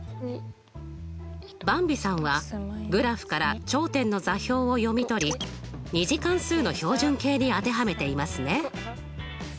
ばんびさんはグラフから頂点の座標を読み取り２次関数の標準形に当てはめていますね。